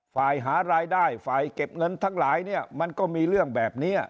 ฟ้ายหารายได้ฟ้ายเก็บเงินทั้งหลายมันก็มีเรื่องแบบนี้